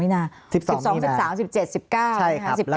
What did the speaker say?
๑๒เมียนา๑๒๑๓๑๗๑๙ใช่ไหมครับ